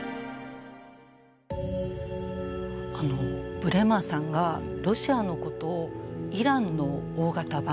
ブレマーさんがロシアのことをイランの大型版